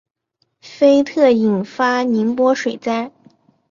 菲特引发宁波水灾。